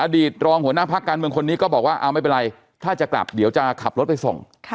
ตรองหัวหน้าพักการเมืองคนนี้ก็บอกว่าไม่เป็นไรถ้าจะกลับเดี๋ยวจะขับรถไปส่ง